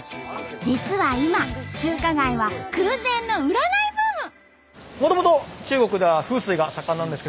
実は今中華街は空前の占いブーム。